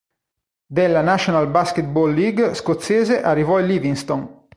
Dalla "National Basketball League" scozzese arrivò il Livingston.